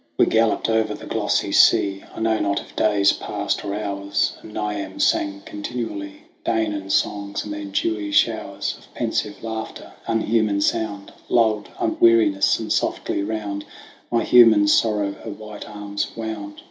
Oisin. We galloped over the glossy sea : 76 THE WANDERINGS OF OISIN I know not if days passed or hours, And Niamh sang continually Danaan songs, and their dewy showers Of pensive laughter, unhuman sound, Lulled weariness, and softly round My human sorrow her white arms wound.